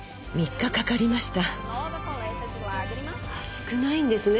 少ないんですね